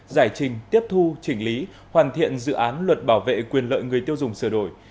giải trình tiếp thu chỉnh lý hoàn thiện dự án luật bảo vệ quyền lợi người tiêu dùng sửa đổi